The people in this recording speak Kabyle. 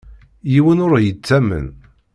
Yiwen ur ɣ-yettamen.